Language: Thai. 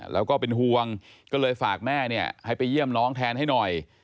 แล้วก็เป็นห่วงก็เลยฝากแม่เนี่ยให้ไปเยี่ยมน้องแทนให้หน่อย